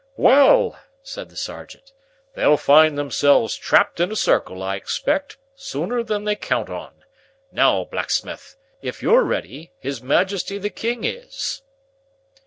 "Well!" said the sergeant, "they'll find themselves trapped in a circle, I expect, sooner than they count on. Now, blacksmith! If you're ready, his Majesty the King is."